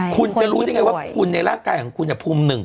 คุณจะรู้ได้ไงว่าคุณในร่างกายของคุณภูมิหนึ่ง